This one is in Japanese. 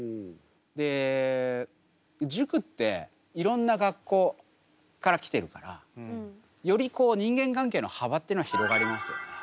で塾っていろんな学校から来てるからより人間関係の幅ってのは広がりますよね。